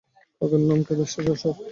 কাকার নাম কেদারেশ্বর।